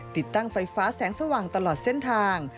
ติดตั้งไฟฟ้าแสงสว่างตลอดเส้นทาง